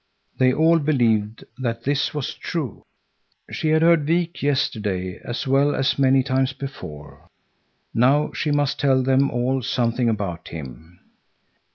They all believed that this was true. She had heard Wik yesterday as well as many times before. Now she must tell them all something about him.